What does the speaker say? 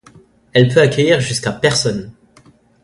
Elle peut accueillir jusqu’à personnes.